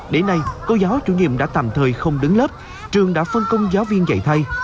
đến nay cô giáo chủ nhiệm đã tạm thời không đứng lớp trường đã phân công giáo viên dạy thay